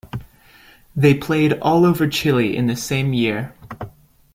They played all over Chile in the same year.